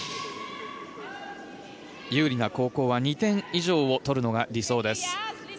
有利な後攻は２点以上を取るのが理想です。